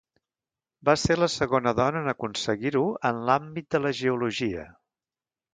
Va ser la segona dona en aconseguir-ho en l'àmbit de la geologia.